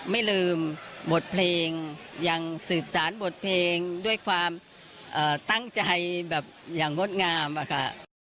ไม่ลืมบทเพลงยังสืบสารบทเพลงด้วยความตั้งใจแบบอย่างงดงามอะค่ะ